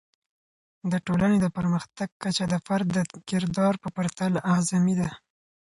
د ټولنې د پرمختګ کچه د فرد د کردار په پرتله اعظمي ده.